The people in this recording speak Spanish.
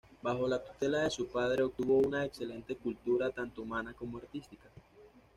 Bajo la tutela de su padre obtuvo una excelente cultura tanto humana como artística.